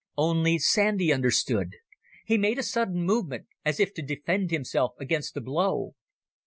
Only Sandy understood. He made a sudden movement as if to defend himself against a blow.